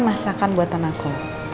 masakan buatan aku